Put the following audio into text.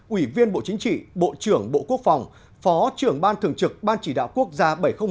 ủy viên bộ chính trị bộ trưởng bộ quốc phòng phó trưởng ban thường trực ban chỉ đạo quốc gia bảy trăm linh một